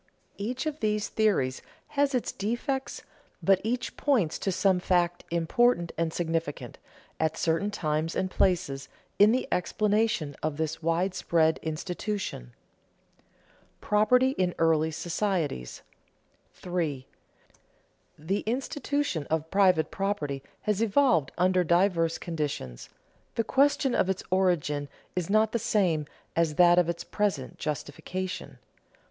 Each of these theories has its defects, but each points to some fact important and significant, at certain times and places, in the explanation of this widespread institution. [Sidenote: Property in early societies] 3. _The institution of private property has evolved under diverse conditions; the question of its origin is not the same as that of its present justification.